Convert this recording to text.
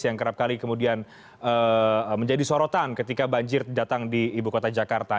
yang kerap kali kemudian menjadi sorotan ketika banjir datang di ibu kota jakarta